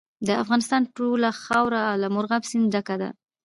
د افغانستان ټوله خاوره له مورغاب سیند ډکه ده.